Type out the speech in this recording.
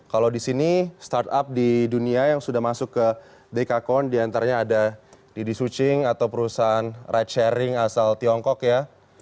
kalau di sini startup di dunia yang sudah masuk ke dekakon diantaranya ada didi suching atau perusahaan ride sharing asal tiongkok ya